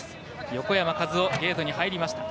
横山和生、ゲートに入りました。